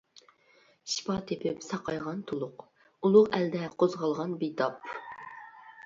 شىپا تېپىپ ساقايغان تۇلۇق، ئۇلۇغ ئەلدە قوزغالغان بىتاپ.